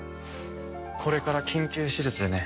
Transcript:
これから緊急手術でね。